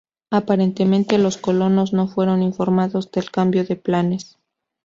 Aparentemente los colonos no fueron informados del cambio de planes.